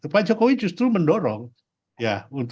pak jokowi justru mendorong ya